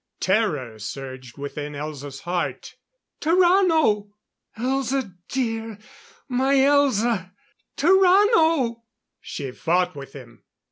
Terror surged within Elza's heart. "Tarrano!" "Elza dear my Elza " "Tarrano!" She fought with him.